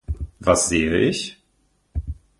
Was sehe ich?